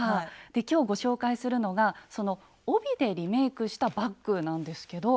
で今日ご紹介するのが帯でリメイクしたバッグなんですけど。